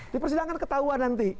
di persidangan ketahuan nanti